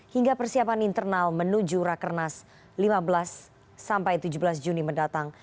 hingga persiapan internal menuju rakernas lima belas sampai tujuh belas juni mendatang